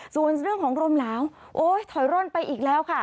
ส่วนเรื่องของลมหนาวโอ๊ยถอยร่นไปอีกแล้วค่ะ